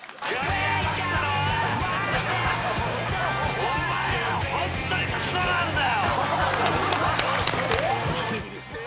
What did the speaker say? お前らホントにクソなんだよ！